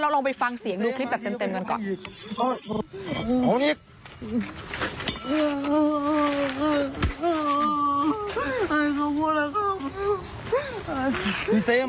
ลองไปฟังเสียงดูคลิปแบบเต็มกันก่อน